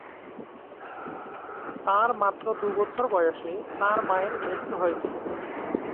তাঁর মাত্র দুবছর বয়সে তাঁর মায়ের মৃত্যু হয়েছিল।